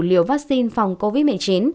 liều vaccine phòng covid một mươi chín